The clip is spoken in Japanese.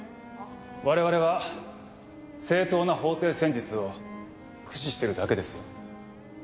我々は正当な法廷戦術を駆使してるだけですよ。